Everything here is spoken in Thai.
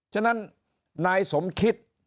ฉะนั้นนายสมคิด